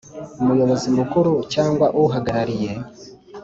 Umuyobozi mukuru cyangwa uhagarariye